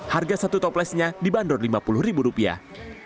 harga satu toplesnya dibanderol lima puluh ribu rupiah